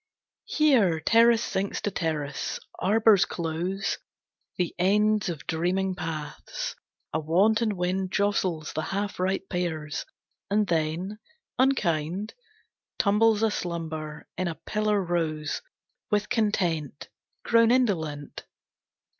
Here terrace sinks to terrace, arbors close The ends of dreaming paths; a wanton wind Jostles the half ripe pears, and then, unkind, Tumbles a slumber in a pillar rose, With content Grown indolent.